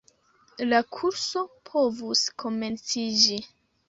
La kurso povus komenciĝi.